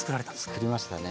つくりましたね。